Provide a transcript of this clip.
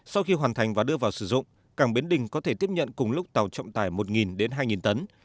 sau khi hoàn thành và đưa vào sử dụng cảng bến đình có thể tiếp nhận cùng lúc tàu trọng tải một hai tấn